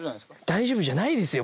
大丈夫じゃないですよ